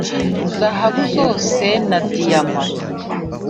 zahabu zose na diyama